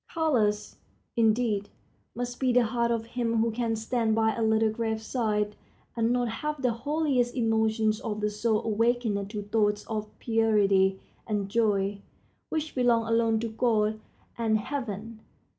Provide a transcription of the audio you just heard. Callous, indeed, must be the heart of him who can stand by a little grave side and not have the holiest emotions of the soul awakened to thoughts of purity and joy, which belong alone to God and heaven.